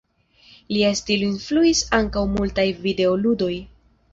Lia stilo influis ankaŭ multaj videoludoj.